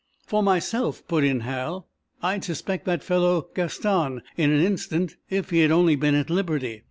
"For myself," put in Hal, "I'd suspect that fellow Gaston, in an instant, if he had only been at liberty.